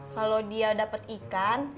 kalau dia dapet ibu